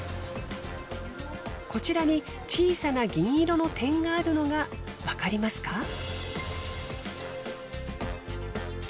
こちらに小さな銀色の点があるのがわかりますか？